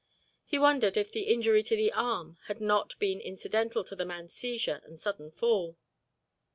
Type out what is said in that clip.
He wondered if the injury to the arm had not been incidental to the man's seizure and sudden fall.